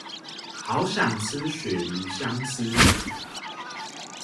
好想吃鱈魚香絲